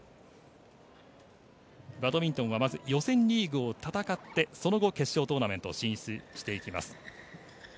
バドミントンはまず予選リーグを戦ってその後、決勝トーナメントに進出していきます。